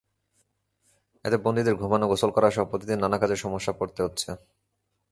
এতে বন্দীদের ঘুমানো, গোসল করাসহ প্রতিদিন নানা কাজে সমস্যায় পড়তে হচ্ছে।